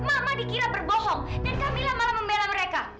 kamila berbohong dan kamila malah membela mereka